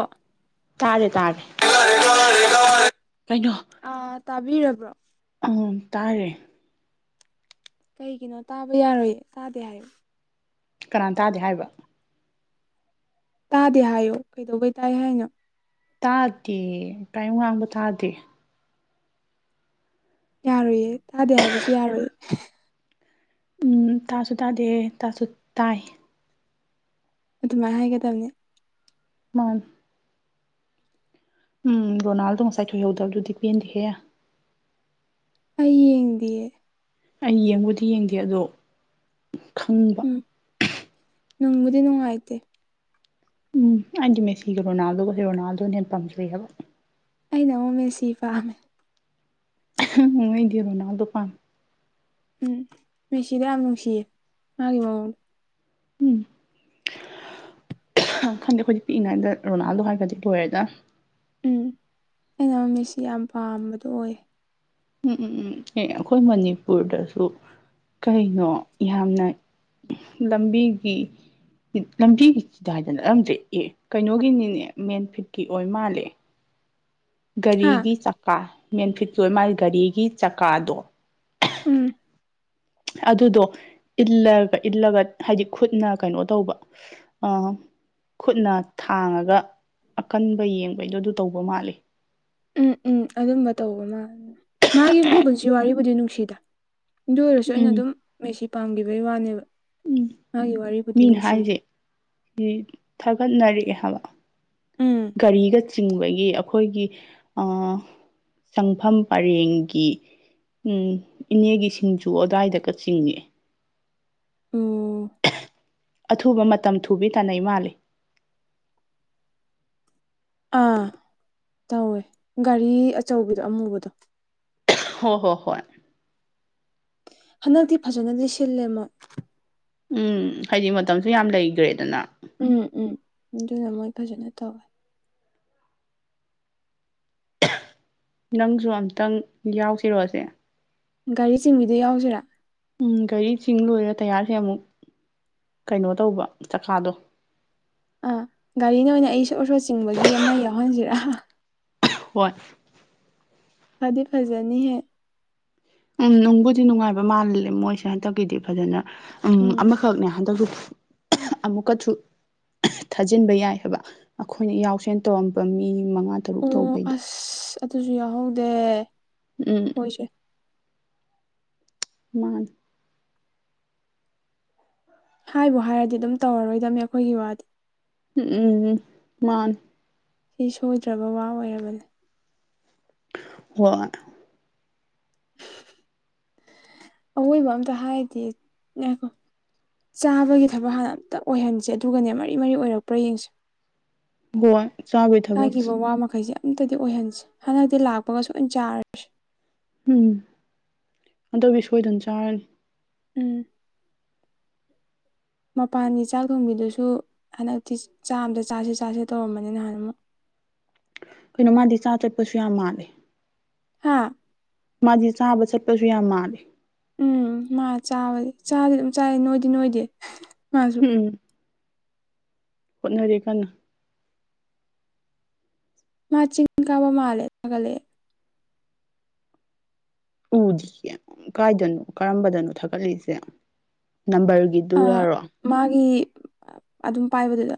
ꯑꯣ ꯇꯥꯔꯦ ꯇꯥꯔꯦ ꯀꯩꯅꯣ ꯑꯥ ꯇꯥꯕꯤꯔꯕ꯭ꯔꯣ ꯑꯥ ꯇꯥꯔꯦ ꯀꯩꯒꯤꯅꯣ ꯇꯥꯕ ꯌꯥꯔꯣꯏꯌꯦ ꯇꯥꯗꯦ ꯍꯥꯏꯌ ꯀꯅꯥ ꯇꯥꯗꯦ ꯍꯥꯏꯕ ꯇꯥꯗꯦ ꯍꯥꯏꯌꯣ ꯀꯩꯗꯧꯕꯩ ꯇꯥꯏ ꯍꯥꯏꯅꯣ ꯇꯥꯗꯦ ꯀꯔꯤꯝ ꯉꯥꯡꯕ ꯇꯥꯗꯦ ꯌꯥꯔꯣꯏꯌꯦ ꯇꯥꯗꯦ ꯍꯥꯏꯕꯁꯨ ꯌꯥꯔꯣꯏꯌꯦ ꯎꯝ ꯇꯥꯁꯨ ꯇꯥꯗꯦ ꯇꯥꯁꯨ ꯇꯥꯏ ꯑꯗꯨꯃꯥꯏꯅ ꯍꯥꯏꯒꯗꯕꯅꯦ ꯃꯥꯥꯟ ꯎꯝ ꯔꯣꯅꯥꯜꯗꯣ ꯉꯁꯥꯏ ꯊꯣꯏꯍꯧꯗꯕꯗꯨꯗꯤ ꯄꯦꯟꯗꯤꯍꯦ ꯑꯩꯌꯦ ꯌꯦꯡꯗꯤꯌꯦ ꯑꯩ ꯌꯦꯡꯕꯨꯗꯤ ꯌꯦꯡꯗꯦ ꯑꯗꯣ ꯈꯪ ꯅꯨꯡꯕꯨꯗꯤ ꯅꯨꯡꯉꯥꯏꯇꯦ ꯎꯝ ꯑꯩꯗꯤ ꯃꯦꯁꯤꯒꯤ ꯔꯣꯅꯥꯜꯗꯣꯒ ꯖꯦ ꯔꯣꯅꯥꯜꯗꯣꯅ ꯍꯦꯟꯅ ꯄꯥꯝꯖꯩꯑꯕ ꯑꯩꯅ ꯑꯃꯨꯛ ꯃꯦꯁꯤ ꯄꯥꯝꯃꯦ ꯅꯉꯩꯗꯤꯔꯣ ꯅꯗ ꯐꯥꯟ ꯎꯝ ꯃꯤꯁꯤꯗ ꯌꯥꯝ ꯅꯨꯡꯁꯤꯌꯦ ꯃꯥꯒꯤ ꯃꯡꯗ ꯎꯝ ꯑ ꯈꯪꯗꯦ ꯑꯩꯈꯣꯏꯗꯤ ꯄꯤꯛꯏꯉꯩꯗ ꯔꯣꯅꯥꯜꯗꯣ ꯍꯥꯏꯔꯒꯗꯤ ꯂꯣꯏꯔꯦꯗ ꯎꯝ ꯑꯩꯅ ꯃꯃꯤꯠꯁꯤ ꯌꯥꯝ ꯄꯥꯝꯕꯗꯣ ꯑꯣꯏꯌꯦ ꯎꯝ ꯎꯝ ꯎꯝ ꯑꯦ ꯑꯩꯈꯣꯏ ꯃꯅꯤꯄꯨꯔꯗꯁꯨ ꯀꯩꯅꯣ ꯌꯥꯝꯅ ꯂꯝꯕꯤꯒꯤ ꯂꯝꯕꯤꯒꯤ ꯆꯤꯗꯥꯏꯗꯅ ꯅꯠꯂꯝꯗ꯭ꯔꯦ ꯑꯦ ꯀꯩꯅꯣꯒꯤꯅꯤꯅꯦ ꯃꯦꯟ ꯐꯤꯠꯀꯤ ꯑꯣꯏ ꯃꯥꯜꯂꯦ ꯍꯥ ꯒꯥꯔꯤꯒꯤ ꯆꯀꯥ ꯃꯦꯟꯐꯤꯇ ꯃꯥꯜꯂꯤ ꯒꯥꯔꯤꯒꯤ ꯆꯀꯥꯗꯣ ꯎꯝ ꯑꯗꯨꯗꯣ ꯏꯜꯂꯒ ꯏꯜꯂꯒ ꯍꯥꯏꯗꯤ ꯈꯨꯠꯅ ꯀꯩꯅꯣ ꯇꯧꯕ ꯈꯨꯠꯅ ꯊꯥꯡꯉꯒ ꯑꯀꯟꯕ ꯌꯦꯡꯕꯩꯗꯣ ꯑꯗꯨ ꯇꯧꯕ ꯃꯥꯜꯂꯤ ꯎꯝ ꯎꯝ ꯑꯗꯨꯝꯕ ꯇꯧꯕ ꯃꯥꯜ ꯃꯥꯒꯤ ꯄꯨꯟꯁꯤ ꯋꯥꯔꯤꯕꯨꯗꯤ ꯅꯨꯡꯁꯤꯗ ꯑꯗꯨ ꯑꯣꯏꯔꯁꯨ ꯑꯩꯅ ꯎꯝ ꯑꯗꯨꯝ ꯃꯦꯁꯤ ꯄꯥꯝꯈꯤꯕꯒꯤ ꯋꯥꯅꯦꯕ ꯎꯝ ꯃꯥꯒꯤ ꯋꯥꯔꯤꯕꯨꯗꯤ ꯃꯤꯅ ꯅꯨꯡꯁꯤꯌꯦ ꯍꯥꯏꯁꯦ ꯁꯤ ꯊꯥꯒꯠꯅꯔꯛꯑꯦ ꯍꯥꯏꯕ ꯎꯝ ꯒꯥꯔꯤꯒ ꯆꯤꯡꯕꯒꯤ ꯑꯩꯈꯣꯏꯒꯤ ꯑ ꯆꯪꯐꯝ ꯄꯔꯦꯡꯒꯤ ꯎꯝ ꯏꯅꯦꯒꯤ ꯁꯤꯡꯖꯨ ꯑ꯭ꯋꯥꯏꯗ ꯀ ꯆꯤꯡꯉꯦ ꯑꯣ ꯑꯊꯨꯕ ꯃꯇꯝ ꯊꯨꯕꯤ ꯇꯥꯅꯩ ꯃꯥꯜꯂꯤ ꯑꯥ ꯇꯧꯋꯦ ꯒꯥꯔꯤ ꯑꯆꯧꯕꯤꯗꯣ ꯑꯃꯨꯕꯗꯣ ꯍꯣꯏ ꯍꯣꯏ ꯍꯣꯏ ꯍꯟꯗꯛꯇꯤ ꯐꯖꯅꯗꯤ ꯁꯤꯜꯂꯦꯃ ꯎꯝ ꯍꯥꯏꯗꯤ ꯃꯇꯝꯁꯨ ꯌꯥꯝ ꯂꯩꯇ꯭ꯔꯦꯗꯅ ꯎꯝ ꯎꯝ ꯑꯗꯨꯅ ꯃꯣꯏ ꯐꯖꯅ ꯇꯧꯋꯦ ꯅꯪꯁꯨ ꯑꯝꯇꯪ ꯌꯥꯎꯁꯤꯔꯣꯑꯁꯦ ꯒꯥꯔꯤ ꯆꯤꯡꯕꯤꯗ ꯌꯥꯎꯁꯤꯔꯥ ꯎꯝ ꯒꯥꯔꯤ ꯆꯤꯡ ꯂꯣꯏꯔ ꯇꯌꯥꯔꯁꯦ ꯑꯃꯨꯛ ꯀꯩꯅꯣ ꯇꯧꯕ ꯆꯀꯥꯗꯣ ꯑ ꯒꯥꯔꯤꯅ ꯑꯣꯏꯅ ꯑꯩ ꯁꯣꯔ ꯁꯣꯔ ꯆꯤꯡꯕꯒꯤ ꯑꯃ ꯌꯥꯎꯍꯟꯖꯤꯔ ꯍꯣꯏ ꯐꯗꯤ ꯐꯖꯅꯤꯍꯦ ꯎꯝ ꯅꯨꯡꯕꯨꯗꯤ ꯅꯨꯡꯉꯥꯏꯕ ꯃꯥꯜꯂꯦ ꯃꯣꯏꯁꯦ ꯍꯟꯇꯛꯀꯤꯗꯤ ꯐꯖꯅ ꯎꯝ ꯑꯃꯈꯛ ꯈꯛꯅꯦ ꯍꯟꯗꯛꯀꯤꯁꯨ ꯑꯃꯨꯛꯀꯁꯨ ꯊꯥꯖꯤꯟꯕ ꯌꯥꯏ ꯍꯥꯏꯕ ꯑꯩꯈꯣꯏꯅ ꯌꯥꯎꯁꯦꯟ ꯇꯧꯔꯝꯕ ꯃꯤ ꯃꯉꯥ ꯇꯔꯨꯛ ꯑꯣ ꯇꯧꯕꯩꯗꯣ ꯑꯁ ꯑꯗꯨꯁꯨ ꯌꯥꯎꯍꯧꯗꯦ ꯎꯝ ꯍꯣꯏꯁꯦ ꯃꯥꯥꯅꯤ ꯍꯥꯏꯕꯨ ꯍꯥꯏꯔꯗꯤ ꯑꯗꯨꯝ ꯇꯧꯔꯔꯣꯏꯗꯝꯅꯤ ꯑꯩꯈꯣꯏꯒꯤ ꯋꯥꯗꯤ ꯎꯝ ꯎꯝ ꯎꯝ ꯃꯥꯅꯦ ꯁꯤ ꯁꯣꯏꯗ꯭ꯔꯕ ꯋꯥ ꯑꯣꯏꯔꯕꯅꯤ ꯍꯣꯢ [unintelligible] ꯑꯋꯣꯏꯕ ꯑꯝꯇ ꯍꯥꯏꯗꯦ ꯉꯥꯢꯈꯣ ꯆꯥꯕꯒꯤ ꯊꯕꯛ ꯍꯥꯟꯅ ꯑꯝꯇ ꯑꯣꯏꯍꯟꯁꯦ ꯑꯗꯨꯒꯅꯦ ꯃꯔꯤ ꯃꯔꯤ ꯑꯣꯏꯔꯛꯄ꯭ꯔꯥ ꯌꯦꯡꯁꯦ ꯒꯣꯢ ꯍꯥꯏꯈꯤꯕ ꯋꯥ ꯃꯈꯩꯁꯦ ꯑꯝꯇꯗꯤ ꯑꯣꯏꯍꯟꯁꯦ ꯍꯟꯗꯛꯇꯤ ꯂꯥꯛꯄꯒ ꯁꯣꯏꯅ ꯆꯥꯔꯅꯤ ꯎꯝ ꯍꯟꯗꯛꯇꯤ ꯁꯣꯏꯗꯅ ꯆꯥꯔꯅꯤ ꯎꯝ ꯃꯄꯥꯟꯒꯤ ꯆꯥꯛ ꯊꯣꯡꯕꯤꯗꯨꯁꯨ ꯍꯟꯗꯛꯇꯤ ꯆꯥꯛ ꯑꯝꯗ ꯆꯥꯁꯦ ꯆꯥꯁꯦ ꯇꯧꯔꯝꯕꯅꯤ ꯅꯍꯥꯟꯃꯨꯛ ꯀꯩꯅꯣ ꯃꯥꯗꯤ ꯆꯥ ꯆꯠꯄꯁꯨ ꯌꯥꯝ ꯃꯥꯜꯂꯦ ꯍꯥꯥ ꯃꯥꯗꯤ ꯆꯥꯕ ꯆꯠꯄꯁꯨ ꯌꯥꯝ ꯃꯥꯜꯂꯦ ꯎꯝ ꯃꯥ ꯆꯥꯕꯗꯤ ꯆꯥꯗꯤ ꯑꯗꯨꯝ ꯆꯥꯢ ꯅꯣꯏꯗꯤ ꯅꯣꯏꯗꯦ ꯃꯥꯖꯦ ꯎꯝ ꯍꯣꯠꯅꯔꯤ ꯀꯥꯟꯅ ꯃꯥ ꯆꯤꯡ ꯀꯥꯕ ꯃꯥꯜꯂꯦ ꯊꯥꯒꯠꯂꯛꯑꯦ ꯎꯗ꯭ꯤꯌꯦ ꯀꯥꯏꯗꯅꯣ ꯀꯔꯝꯕꯗꯅꯣ ꯊꯥꯒꯠꯂꯤꯁꯦ ꯅꯝꯕꯔꯒꯤ ꯑꯥ ꯗꯨꯔꯔꯣ ꯃꯥꯒꯤ ꯑꯗꯨꯝ ꯄꯥꯏꯕꯗꯨꯗ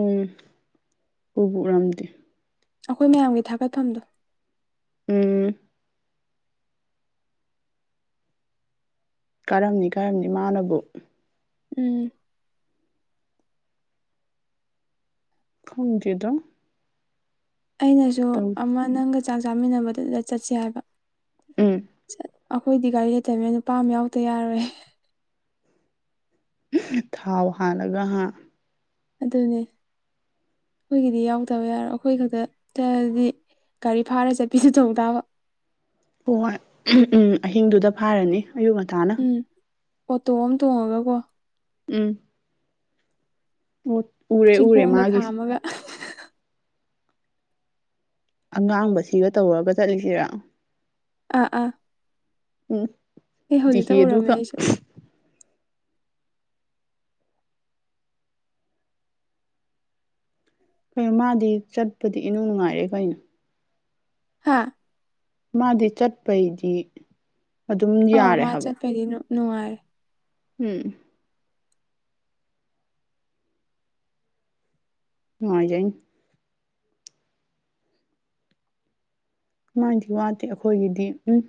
ꯎꯝ ꯎꯕꯨꯎꯔꯝꯗꯦ ꯑꯩꯈꯣꯏ ꯃꯌꯥꯝꯒꯤ ꯊꯥꯒꯠꯐꯝꯗꯣ ꯎꯝ ꯀꯥꯔꯝꯅꯤ ꯀꯥꯔꯝꯅꯤ ꯃꯥꯅꯕꯨ ꯎꯝ ꯈꯪꯗꯦꯗꯥ ꯑꯩꯅꯁꯨ ꯑꯃ ꯅꯪꯒ ꯆꯥꯛ ꯆꯥꯃꯤꯟꯅꯕꯗꯨꯗ ꯆꯠꯁꯦ ꯍꯥꯏꯕ ꯎꯝ ꯆꯠ ꯑꯩꯈꯣꯏꯗꯤ ꯒꯥꯔꯤ ꯂꯩꯇꯕꯅꯤꯅ ꯅꯨꯄꯥ ꯑꯃ ꯌꯥꯎꯗ ꯌꯥꯔꯣꯏꯌꯦ ꯊꯥꯎ ꯍꯥꯜꯂꯒ ꯍꯥ ꯑꯗꯨꯅꯦ ꯑꯩꯈꯣꯏꯒꯤꯗꯤ ꯌꯥꯎꯗꯕ ꯌꯥꯔꯣꯏ ꯑꯩꯈꯣꯏ ꯈꯛꯇ ꯆꯠꯂꯗꯤ ꯒꯥꯔꯤ ꯐꯥꯔ ꯆꯠꯄꯤꯁꯨ ꯇꯧ ꯇꯥꯕ ꯍꯣꯏ ꯎꯝ ꯑꯍꯤꯡꯗꯨꯗ ꯐꯥꯔꯅꯤ ꯑꯌꯨꯛ ꯉꯟꯇꯥꯅ ꯎꯝ ꯑꯣꯇꯣ ꯑꯃ ꯇꯣꯡꯉꯒ ꯀꯣ ꯎꯝ ꯎ ꯎꯔꯦ ꯎꯔꯦ ꯃꯥꯒꯤꯁꯤ ꯑꯗꯨꯒ [unintelligible] ꯑꯉꯥꯡꯕꯁꯤꯒ ꯇꯧꯔꯒ ꯆꯠꯂꯤꯁꯤꯔꯥ ꯑꯥ ꯑꯥ ꯎꯝ ꯑꯦ ꯍꯧꯖꯤꯛꯇ ꯗꯤꯍꯤ ꯎꯔꯝꯃꯦ ꯑꯗꯨꯒ ꯑꯩꯁꯨ ꯑꯦ ꯃꯥꯗꯤ ꯆꯠꯄꯗꯤ ꯏꯅꯨꯡ ꯅꯨꯡꯉꯥꯏꯔꯦ ꯀꯩꯅꯣ ꯍꯥꯥ ꯃꯥꯗꯤ ꯆꯠꯄꯩꯗꯤ ꯑꯗꯨꯝ ꯌꯥꯔꯦ ꯍꯥꯏꯕ ꯀꯔꯤꯅꯣ ꯅꯨꯡꯉꯥꯏ ꯎꯝ ꯅꯨꯡꯉꯥꯏꯖꯩ ꯃꯥꯏꯗꯤ ꯋꯥꯇꯦ ꯑꯩꯈꯣꯏꯒꯤꯗꯤ ꯎꯝ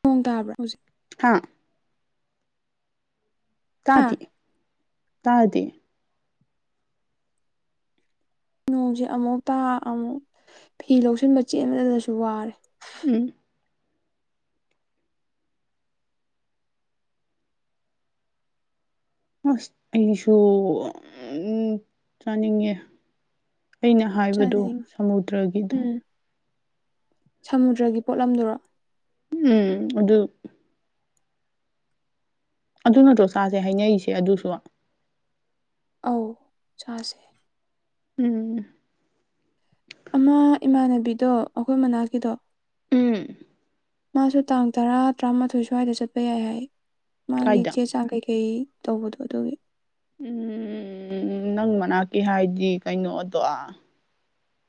ꯅꯣꯡ ꯇꯥꯕ꯭ꯔꯥ ꯍꯧꯖꯤꯛ ꯍꯥꯥ ꯍꯥ ꯇꯥꯗꯦ ꯇꯥꯗꯦ ꯅꯣꯡꯁꯦ ꯑꯃꯨꯛ ꯇꯥ ꯑꯃꯨꯛ ꯐꯤ ꯂꯧꯁꯤꯟꯕ ꯆꯦꯟꯕꯗꯁꯨ ꯋꯥꯔꯦ ꯎꯝ ꯑꯁ ꯑꯩꯁꯨ ꯎꯝ ꯆꯥꯅꯤꯡꯉꯦ ꯑꯩꯅ ꯍꯥꯏꯕꯗꯨꯣ ꯆꯥꯅꯤꯡꯉꯤ ꯁꯃꯨꯗ꯭ꯔꯒꯤꯗꯣ ꯎꯝ ꯁꯃꯨꯗ꯭ꯔꯒꯤ ꯄꯣꯠꯂꯝꯗꯨꯔꯣ ꯎꯝ ꯑꯗꯨ ꯑꯗꯨ ꯅꯠꯇ꯭ꯔꯣ ꯆꯁꯦ ꯍꯥꯏꯅꯔꯤꯁꯦ ꯑꯗꯨꯁꯨ ꯑꯧ ꯆꯥꯁꯦ ꯎꯝ ꯑꯃ ꯏꯃꯥꯟꯅꯕꯤꯗꯣ ꯑꯩꯈꯣꯏ ꯃꯅꯥꯛꯀꯤꯗꯣ ꯎꯝ ꯃꯥꯁꯨ ꯇꯥꯡ ꯇꯔꯥ ꯇꯔꯥꯃꯥꯊꯣꯏ ꯁ꯭ꯋꯥꯏꯗ ꯆꯠꯄ ꯌꯥꯏ ꯍꯥꯏ ꯃꯥꯒꯤ ꯀꯥꯏꯗ ꯆꯦ ꯆꯥꯡ ꯀꯩꯀꯩ ꯇꯧꯕꯗꯣ ꯑꯗꯨꯒꯤ ꯎꯝ ꯎꯝ ꯎꯝ ꯎꯝ ꯅꯪ ꯃꯅꯥꯛꯀꯤ ꯍꯥꯏꯗꯤ ꯀꯩꯅꯣ ꯑꯗꯣ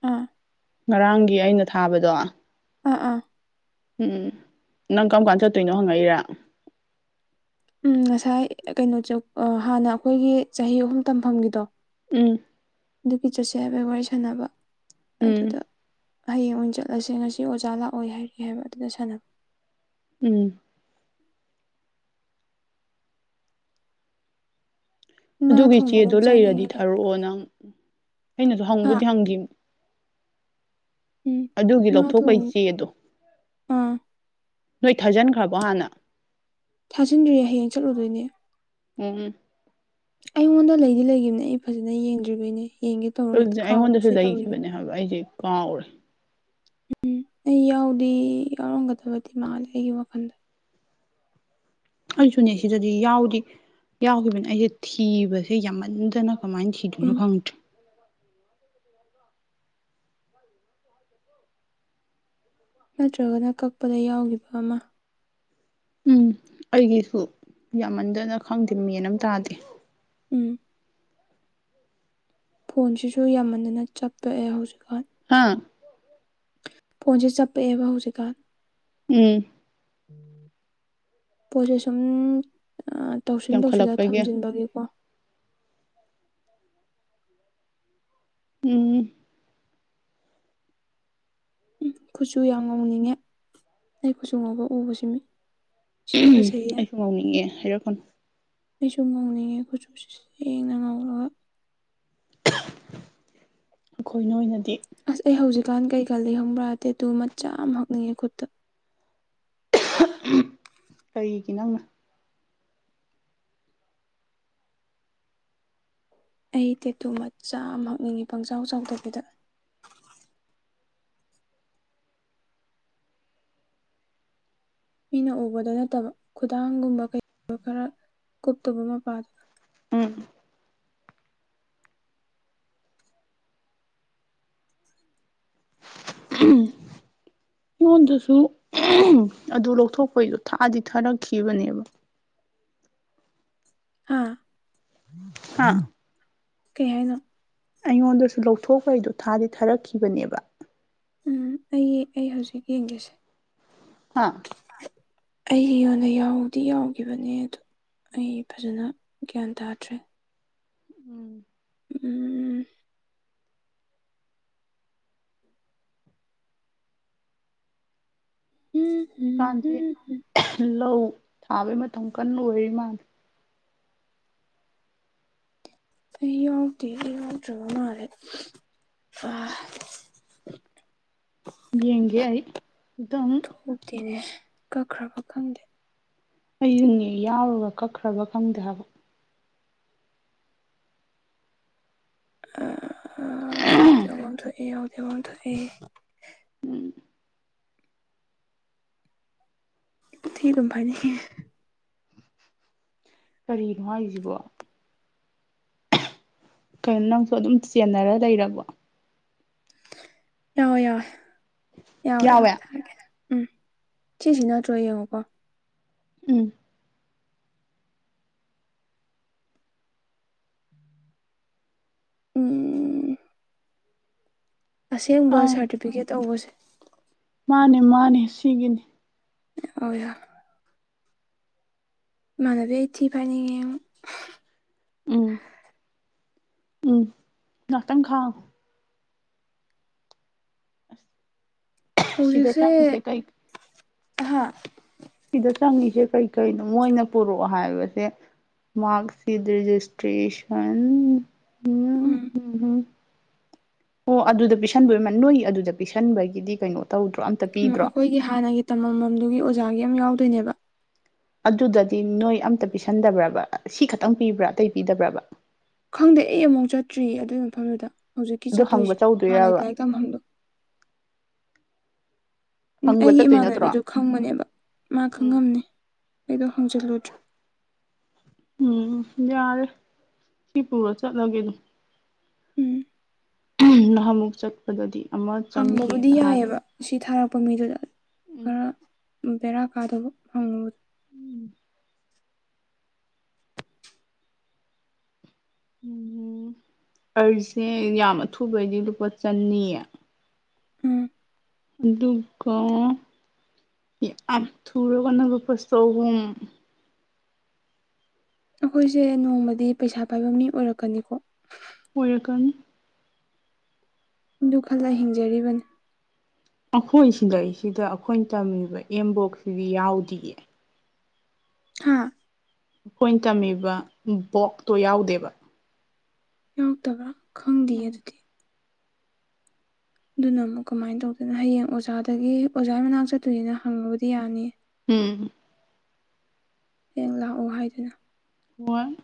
ꯑꯥ ꯉꯔꯥꯡꯒꯤ ꯑꯩꯅ ꯊꯥꯕꯗꯣ ꯑꯥ ꯑꯥ ꯎꯝ ꯅꯪ ꯀꯔꯝ ꯀꯥꯟ ꯆꯠꯇꯣꯏꯅꯣ ꯍꯪꯉꯛꯏꯔꯥ ꯎꯝ ꯉꯁꯥꯏ ꯀꯩꯅꯣ ꯆꯧ ꯍꯥꯟꯅ ꯑꯩꯈꯣꯏꯒꯤ ꯆꯍꯤ ꯑꯍꯨꯝ ꯇꯝꯐꯝꯒꯤꯗꯣ ꯎꯝ ꯑꯗꯨꯒꯤ ꯆꯠꯁꯦ ꯍꯥꯏꯕꯩ ꯋꯥꯔꯤ ꯁꯥꯟꯅꯕ ꯎꯝ ꯑꯗꯨꯗ ꯍꯌꯦꯡ ꯑꯣꯏꯅ ꯆꯠꯂꯁꯦ ꯉꯁꯤ ꯑꯣꯖꯥ ꯂꯥꯛꯑꯣꯏ ꯍꯥꯏꯔꯤ ꯍꯥꯏꯕ ꯑꯗꯨꯗ ꯁꯥꯟꯅ ꯎꯝ ꯉꯥ ꯊꯣꯡꯕ ꯑꯗꯨꯒꯤꯆꯦꯗꯣ ꯑꯗꯨꯝ ꯂꯩꯔꯗꯤ ꯆꯥꯅꯤꯡꯉꯦꯗ ꯊꯥꯔꯛꯑꯣ ꯅꯪ ꯑꯩꯅꯁꯨ ꯍꯥ ꯍꯪꯕꯨꯗꯤ ꯍꯪꯈꯤ ꯎꯝ ꯑꯗꯨꯒꯤ ꯉꯥ ꯂꯧꯊꯣꯛꯄꯩ ꯊꯣꯡ ꯆꯦꯗꯣ ꯑꯥ ꯅꯣꯏ ꯊꯥꯖꯤꯟꯈ꯭ꯔꯕꯣ ꯍꯥꯟꯅ ꯊꯥꯖꯤꯟꯗ꯭ꯔꯤꯌꯦ ꯍꯌꯦꯡ ꯆꯠꯂꯨꯗꯣꯏꯅꯦ ꯎꯝ ꯑꯩꯉꯣꯟꯗ ꯂꯩꯗꯤ ꯂꯩꯈꯤꯕꯅꯦ ꯑꯩ ꯐꯖꯅ ꯌꯦꯡꯗ꯭ꯔꯤꯕꯩꯅꯦ ꯌꯦꯡꯒꯦ ꯇꯧꯔꯒ ꯍꯦꯛꯇ ꯀꯥꯎꯕꯁꯨ ꯇꯧꯔꯤꯅꯦ ꯑꯕ ꯑꯩꯗꯤ ꯀꯥꯎꯔꯦ ꯎꯝ ꯑꯩ ꯌꯥꯎꯗꯤ ꯌꯥꯎꯔꯝꯒꯗꯕꯗꯤ ꯃꯥꯂꯦ ꯑꯩꯒꯤ ꯋꯥꯈꯜꯗ ꯑꯩꯁꯨꯅꯦ ꯁꯤꯗꯗꯤ ꯌꯥꯎꯗꯤ ꯌꯥꯎꯈꯤꯕꯅꯤ ꯑꯩꯁꯦ ꯊꯤꯕꯁꯦ ꯌꯥꯝꯃꯟꯗꯅ ꯀꯃꯥꯏꯅ ꯊꯤꯗꯨꯅ ꯎꯝ ꯈꯪꯗ꯭ꯔꯦ [unintelligible] ꯅꯠꯇ꯭ꯔꯒꯅ ꯀꯛꯄꯗ ꯌꯥꯎꯈꯤꯕ ꯑꯃ ꯎꯝ ꯑꯩꯒꯤꯁꯨ ꯌꯥꯝꯃꯟꯗꯅ ꯈꯪꯗꯦ ꯃꯦꯟ ꯑꯃ ꯇꯥꯗꯦ ꯎꯝ ꯐꯣꯟꯁꯤꯁꯨ ꯌꯥꯝꯃꯗꯅ ꯆꯠꯄꯛꯑꯦ ꯍꯧꯖꯤꯛꯀꯥꯟ ꯍꯥꯥ ꯐꯣꯟꯁꯦ ꯆꯞꯄꯛꯑꯦꯕ ꯍꯧꯖꯤꯛꯀꯥꯟ ꯎꯝ ꯄꯣꯠꯁꯦ ꯁꯨꯝ ꯇꯧꯁꯤꯟ ꯇꯧꯁꯤꯜꯂꯒ ꯌꯥꯝꯈꯠꯂꯛꯄꯒꯤ ꯊꯝꯖꯤꯟꯕꯒꯤꯀꯣ ꯎꯝ ꯎ ꯀꯨꯠꯆꯨ ꯌꯥꯝ ꯉꯧꯅꯤꯡꯉꯦ ꯑꯩ ꯀꯠꯆꯨ ꯉꯧꯕ ꯎꯕꯁꯤ ꯃꯤ ꯁꯤꯗꯤ ꯐꯖꯩꯌꯦ ꯑꯩꯁꯨ ꯉꯥꯎꯅꯤꯡꯉꯦ ꯍꯥꯏꯔꯛꯀꯅꯣ ꯑꯩꯁꯨ ꯉꯥꯎꯅꯤꯡꯉꯦ ꯈꯨꯠꯁꯨ ꯁꯦꯡꯅ ꯉꯥꯎꯔꯒ ꯑꯩꯈꯣꯏꯅ ꯑꯣꯏꯅꯗꯤ ꯑꯁ ꯑꯩ ꯍꯧꯖꯤꯛꯀꯥꯟ ꯀꯩꯀꯥ ꯂꯩ ꯈꯪꯕ꯭ꯔꯗꯦ ꯑꯗꯨ ꯃꯆꯥ ꯑꯃ ꯍꯛꯅꯤꯡꯉꯦ ꯈꯨꯠꯇ ꯀꯩꯒꯤ ꯅꯪꯅ ꯑꯩ ꯇꯦꯇꯨ ꯃꯆꯥ ꯑꯃ ꯍꯛꯅꯤꯡꯉꯤ ꯄꯪꯖꯥꯎ ꯆꯥꯎꯊꯕꯤꯗ ꯃꯤꯅ ꯎꯕꯗ ꯅꯠꯇꯕ ꯈꯨꯗꯥꯡꯒꯨꯝꯕ ꯀꯩꯒꯨꯝꯕ ꯈꯔ ꯀꯨꯞꯇꯕ ꯃꯄꯥꯗꯣ ꯎꯝ ꯎꯝ ꯑꯩꯉꯣꯟꯗꯁꯨ ꯑꯗꯨ ꯂꯧꯊꯣꯛꯄꯩꯗꯣ ꯊꯥꯛꯑꯗꯤ ꯊꯥꯔꯛꯈꯤꯕꯅꯦꯕ ꯍꯥꯥ ꯑꯥ ꯀꯩ ꯍꯥꯏꯅ ꯑꯩꯉꯣꯟꯗꯁꯨ ꯂꯧꯊꯣꯛꯄꯩꯗꯣ ꯊꯥꯗꯤ ꯊꯥꯔꯛꯈꯤꯕꯅꯦꯕ ꯎꯝ ꯑꯩ ꯑꯩ ꯍꯧꯖꯤꯛ ꯌꯦꯡꯒꯁꯦ ꯍꯥꯥ ꯑꯩꯒꯤꯣꯟ ꯑꯣꯏꯅ ꯌꯥꯎꯗꯤ ꯌꯥꯎꯈꯤꯕꯅꯦ ꯑꯗ ꯑꯩ ꯐꯖꯅ ꯒ꯭ꯌꯥꯟ ꯇꯥꯗ꯭ꯔꯦ ꯎꯝ ꯎꯝ ꯎꯝ ꯎꯝ ꯍꯧꯖꯤꯛꯀꯥꯟꯁꯦ ꯎꯝ ꯂꯧ ꯊꯥꯕꯩ ꯃꯇꯝ ꯀꯟꯅ ꯑꯣꯏꯔꯤ ꯃꯥꯅ ꯑꯩ ꯌꯥꯎꯗꯔ꯭ꯦ ꯑꯩ ꯌꯥꯎꯗꯔ꯭ꯕ ꯃꯥꯜꯂꯦ [unintelligible] ꯌꯦꯡꯒꯦ ꯑꯩ ꯑꯗꯨꯝ ꯍꯧꯇꯦꯅꯦ ꯀꯛꯈ꯭ꯔꯕ ꯈꯪꯗꯦ ꯑꯩꯌꯨꯅꯦ ꯌꯥꯎꯔꯒ ꯀꯛꯈ꯭ꯔꯕ ꯈꯪꯗꯦ ꯍꯥꯏꯕ ꯑꯥ ꯌꯥꯎꯗꯤ ꯌꯥꯎꯕꯝ ꯊꯣꯛꯑꯦ ꯌꯥꯎꯗꯤ ꯌꯥꯎꯕꯝ ꯊꯣꯛꯑꯦ ꯊꯤꯗꯨꯝ ꯐꯥꯏꯅꯤꯡꯉꯦ ꯀꯔꯤꯅꯣ ꯍꯥꯏꯖꯤꯕꯣ ꯀꯩꯅꯣ ꯅꯪꯁꯨ ꯑꯗꯨꯝ ꯆꯦꯟꯅꯔ ꯂꯩꯔꯕ ꯌꯥꯎꯋꯦ ꯌꯥꯎꯋꯦ ꯌꯥꯎꯋꯦ ꯌꯥꯎꯋꯦ ꯊꯥꯔꯀꯦ ꯎꯝ ꯁꯤꯖꯤ ꯅꯠꯇ꯭ꯔꯣ ꯌꯦꯡꯉꯣꯀꯣ ꯎꯝ ꯎꯝ ꯑꯁꯦꯡꯕ ꯑꯪ ꯁꯥꯔꯇꯤꯐꯤꯀꯦꯠ ꯇꯧꯕꯁꯦ ꯃꯥꯅꯦ ꯃꯥꯅꯦ ꯁꯤꯒꯤꯅꯤ ꯌꯥꯎꯋꯦ ꯌꯥꯎ ꯏꯃꯥꯟꯅꯕꯤ ꯑꯩ ꯊꯤ ꯐꯥꯏꯅꯤꯡꯉꯦꯉꯣ ꯎꯝ ꯎꯝ ꯉꯥꯛꯇꯪ ꯈꯥꯎ ꯑꯁ ꯁꯤꯗ ꯍꯧꯖꯤꯛꯁꯦ ꯆꯪꯉꯤꯁꯦ ꯀꯩ ꯑꯍꯥ ꯁꯤꯗ ꯆꯪꯉꯤꯁꯦ ꯀꯩꯀꯩꯅꯣ ꯃꯣꯏꯅ ꯄꯨꯔꯛꯑꯣ ꯍꯥꯏꯕꯁꯦ ꯃꯥꯛꯁꯤꯠ ꯔꯖꯤꯁꯇ꯭ꯔꯦꯁꯟ ꯎꯝ ꯎꯝ ꯍꯝ ꯑꯣ ꯑꯗꯨꯗ ꯄꯤꯁꯟꯕꯣꯏ ꯅꯣꯏ ꯑꯗꯨꯗ ꯄꯤꯁꯟꯕꯒꯤꯗꯤ ꯀꯩꯅꯣ ꯇꯧꯗ꯭ꯔꯣ ꯑꯝ ꯎꯝ ꯑꯈꯣꯏꯒꯤ ꯍꯥꯟꯅꯒꯤ ꯇꯝꯃꯝꯃꯝꯗꯨꯒꯤ ꯑꯣꯖꯥꯒꯤ ꯑꯝ ꯌꯥꯎꯗꯣꯏꯅꯦꯕ ꯑꯗꯨꯗꯗꯤ ꯅꯣꯏ ꯑꯝꯇ ꯄꯤꯁꯟꯗꯕ꯭ꯔꯕ ꯁꯤ ꯈꯛꯇꯪ ꯄꯤꯕ꯭ꯔꯥ ꯑꯇꯩ ꯄꯤꯗꯕ꯭ꯔꯕ ꯈꯪꯗꯦ ꯑꯩ ꯑꯃꯨꯛ ꯆꯠꯇ꯭ꯔꯤꯌꯦ ꯑꯗꯨꯏ ꯃꯐꯝꯗꯨꯗ ꯍꯧꯖꯤꯛꯀꯤ ꯑꯗꯨ ꯍꯪꯕ ꯆꯠꯇꯣꯏꯁꯦ ꯍꯥꯟꯅꯩ ꯆꯧꯗꯣꯏꯔꯕ ꯂꯥꯏꯔꯤꯛ ꯇꯝꯐꯝꯗꯣ [inaudible] ꯎꯝ ꯍꯪꯕ ꯑꯩꯒꯤ ꯆꯠꯇꯣꯏ ꯅꯠꯇ꯭ꯔꯣ ꯏꯃꯥꯟꯅꯕꯤꯗꯣ ꯈꯪꯕꯅꯦꯕ ꯃꯥ ꯎꯝ ꯈꯪꯉꯝꯅꯤ ꯑꯩꯗꯣ ꯍꯪꯖꯜꯂꯨꯗ꯭ꯔꯦ ꯎꯝ ꯌꯥꯔꯦ ꯁꯤ ꯄꯨꯔ ꯆꯠꯂꯒꯦ ꯑꯗꯨ ꯎꯝ ꯅꯍꯥꯟꯃꯨꯛ ꯆꯠꯄꯗꯗꯤ ꯑꯃ ꯍꯪꯕꯕꯨꯗꯤ ꯆꯪꯒꯤꯅ ꯍꯥꯏꯕ ꯌꯥꯏꯑꯕ ꯁꯤ ꯊꯥꯔꯛꯄ ꯃꯤꯗꯨꯗ ꯎꯝ ꯈꯔ ꯕꯦꯔꯥ ꯀꯥꯗꯕ ꯐꯪꯉꯨꯕꯗꯣ ꯎꯝ ꯑꯩꯁꯦ ꯌꯥꯝ ꯑꯊꯨꯕꯩꯗꯤ ꯂꯨꯄꯥ ꯆꯅꯤ ꯎꯝ ꯑꯗꯨꯒ ꯌꯥꯝ ꯊꯨꯔꯒꯅ ꯂꯨꯄꯥ ꯆꯍꯨꯝ ꯑꯈꯣꯏꯁꯦ ꯅꯣꯡꯃꯗꯤ ꯄꯩꯁꯥ ꯄꯥꯏꯕ ꯃꯤ ꯑꯣꯏꯔꯛꯀꯅꯤꯀꯣ ꯑꯣꯏꯔꯛꯀꯅꯤ ꯑꯗꯨ ꯈꯜꯂ ꯍꯤꯡꯖꯔꯤꯕꯅꯤ ꯑꯈꯣꯏ ꯁꯤꯗꯩꯁꯤꯗ ꯑꯈꯣꯏ ꯇꯝꯃꯤꯕ ꯑꯦꯝꯕꯣꯛꯁꯤꯗꯤ ꯌꯥꯎꯗꯤꯌꯦ ꯍꯥꯥ ꯈꯣꯏꯅ ꯇꯝꯃꯤꯕ ꯕꯣꯛꯇꯣ ꯌꯥꯎꯗꯦꯕ ꯌꯥꯎꯇꯕ꯭ꯔꯥ ꯈꯪꯗꯦ ꯑꯗꯨꯗꯤ ꯗꯨꯅ ꯑꯃꯨꯛ ꯀꯃꯥꯏꯅ ꯇꯧꯗꯣꯏꯅꯣ ꯍꯌꯦꯡ ꯑꯣꯖꯥꯗꯒꯤ ꯑꯣꯖꯥꯏ ꯃꯅꯥꯛ ꯆꯠꯇꯣꯏꯅꯤꯅ ꯍꯪꯉꯕꯨꯗꯤ ꯌꯥꯅꯤ ꯎꯝ ꯍꯌꯦꯡ ꯂꯥꯛꯑꯣ ꯍꯥꯏꯗꯨꯅ ꯍꯣꯏ